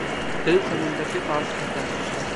Bill समुंदर के पास रहता है।